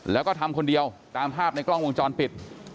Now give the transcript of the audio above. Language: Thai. แล้วก็ทำคนเดียวตามภาพในกล้องวงจรปิด